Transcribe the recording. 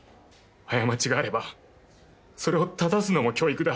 過ちがあればそれを正すのも教育だ。